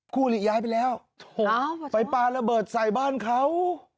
คู่หลีย้ายไปแล้วไปปลาระเบิดใส่บ้านเขา